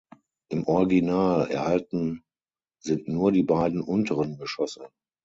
Im Original erhalten sind nur die beiden unteren Geschosse.